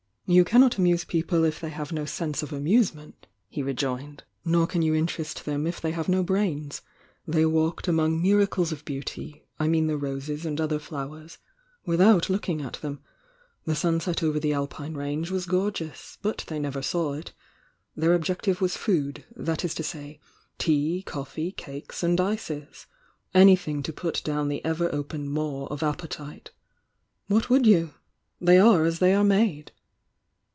"You cannot amuse people if they have no sense of amusement," he rejoined. "Nor can you interest them if they have no brains. They walked among miracles of beauty— I mean the roses and other flowers— without looking at them; the sunset over the Alpine range was gorgeous, but they never saw it— their objective was food— that is to say, tea, coffee, cakes and ices— anything to put down the ever open maw of appetite. What would you? They are as they are made!"